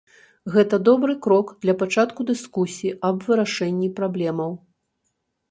Гэта добры крок для пачатку дыскусіі аб вырашэнні праблемаў.